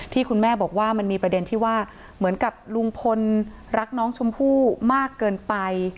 ที่คุณแม่บอกว่ามันมีประเด็นที่ว่าเหมือนกับลุงพลรักน้องชมพู่มากเกินไป